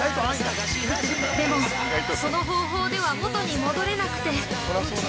でも、その方法では元に戻れなくて。